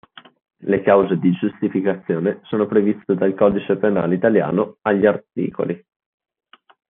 Le cause di giustificazione sono previste dal codice penale italiano agli artt.